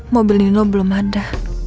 mobil ini lo belum ada